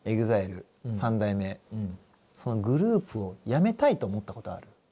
ＥＸＩＬＥ三代目グループを辞めたいと思ったことある？